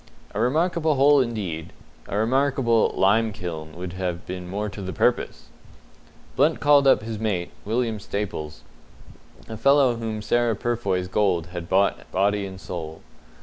A remarkable hole indeed; a remarkable "lime kiln" would have been more to the purpose! Blunt called up his mate, William Staples, a fellow whom Sarah Purfoy's gold had bought body and soul.